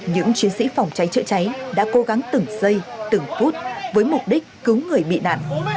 những chiến sĩ phòng cháy chữa cháy đã cố gắng từng giây từng phút với mục đích cứu người bị nạn